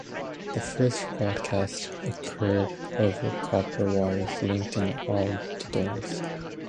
The first broadcast occurred over copper wires linked in all the dorms.